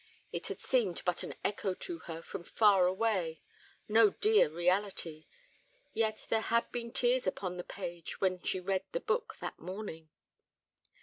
It had seemed but an echo to her from far away, no dear reality—yet there had been tears upon the page when she read the book that morning.